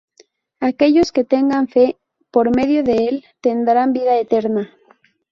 Aquellos que tengan fe por medio de Él, tendrán vida eterna.